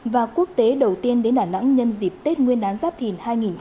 và quốc tế đầu tiên đến đà nẵng nhân dịp tết nguyên đán giáp thìn hai nghìn hai mươi bốn